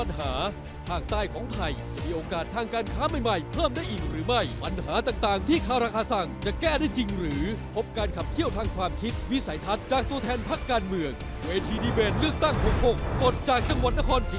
แล้วก็เกิดมูลค่าทางเศรษฐกิจได้